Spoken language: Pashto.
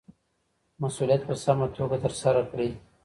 مسووليت په سمه توګه ترسره کړئ